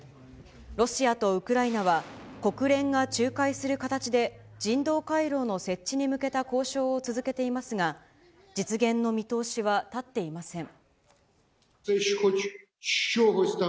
ロシアとウクライナは国連が仲介する形で人道回廊の設置に向けた交渉を続けていますが、実現の見通しは立っていません。